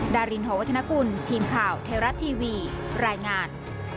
ดารินหอวัฒนกุลทีมข่าวไทยรัฐทีวีรายงาน